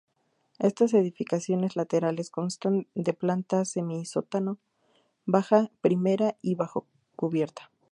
Estas edificaciones laterales constan de planta semisótano, baja, primera y bajocubierta.